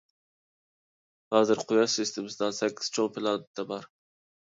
ھازىر قۇياش سىستېمىسىدا سەككىز چوڭ پىلانېتا بار.